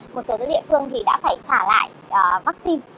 một số địa phương thì đã phải trả lại vaccine